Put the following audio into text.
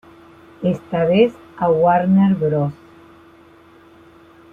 Esta vez a Warner Bros.